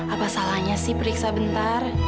apa salahnya sih periksa bentar